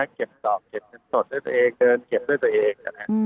เก็บสดด้วยตัวเองเก็บด้วยตัวเอง